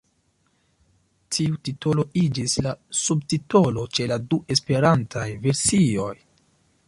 Tiu titolo iĝis la subtitolo ĉe la du esperantaj versioj.